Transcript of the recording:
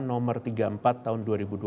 nomor tiga puluh empat tahun dua ribu dua puluh